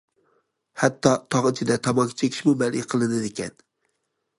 ھەتتا تاغ ئىچىدە تاماكا چېكىشمۇ مەنئى قىلىنىدىكەن.